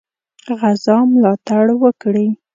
غزا ملاتړ وکړي.